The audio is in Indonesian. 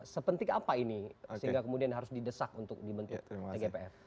sepenting apa ini sehingga kemudian harus didesak untuk dibentuk tgpf